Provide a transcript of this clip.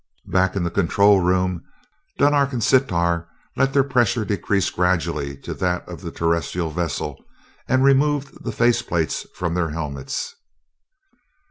Back in the control room, Dunark and Sitar let their pressure decrease gradually to that of the terrestrial vessel and removed the face plates from their helmets.